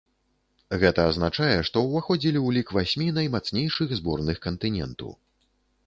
Гэта азначае, што ўваходзілі ў лік васьмі наймацнейшых зборных кантыненту.